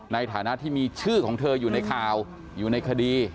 ในฐานะที่มีชื่อของเธออยู่ในข่าวอยู่ในคดี